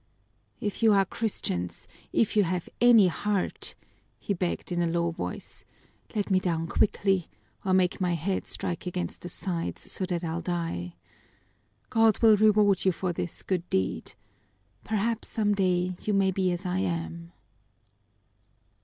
"If you are Christians, if you have any heart," he begged in a low voice, "let me down quickly or make my head strike against the sides so that I'll die. God will reward you for this good deed perhaps some day you may be as I am!"